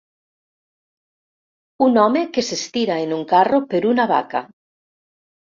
Un home que s'estira en un carro per una vaca